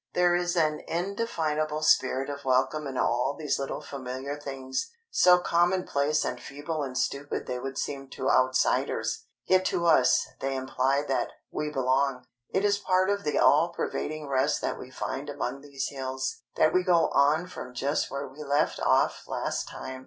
There is an indefinable spirit of welcome in all these little familiar things—so commonplace and feeble and stupid they would seem to outsiders; yet to us they imply that "we belong." It is part of the all pervading rest that we find among these hills, that we go on from just where we left off last time.